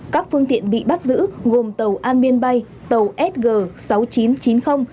các phương tiện bị bắt giữ gồm tàu an biên bay tàu sg sáu nghìn chín trăm chín mươi